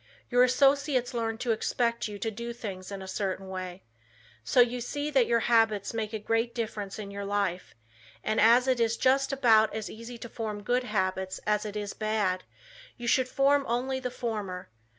Your associates learn to expect you to do things in a certain way. So you see that your habits make a great difference in your life, and as it is just about as easy to form good habits as it is bad, you should form only the former.